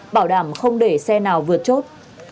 bảo đảm không để xe nào vượt chốt